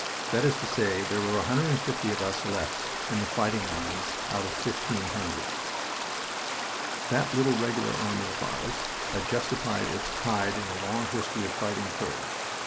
That is to say, there are 150 of us left in the fighting lines out of 1,500." That little Regular Army of ours had justified its pride in a long history of fighting courage.